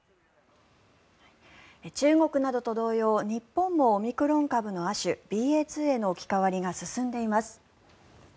中国などと同様日本もオミクロン株の亜種ＢＡ．２への置き換わりが進んでいます。